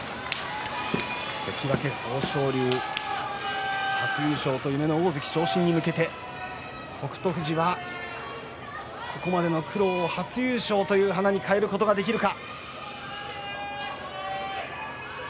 関脇豊昇龍初優勝と夢の大関昇進に向けて北勝富士はここまでの苦労を初優勝という華に変えることができるか。